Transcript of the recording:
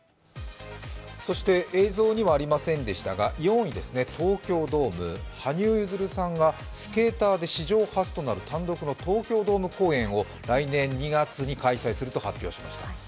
映像にはありませんでしたが４位、東京ドーム、羽生結弦さんがスケーターで史上初となる単独の東京ドーム公演を来年２月に開催すると発表しました